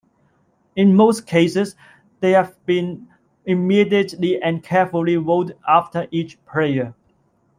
In most cases, they have been immediately and carefully rolled after each prayer.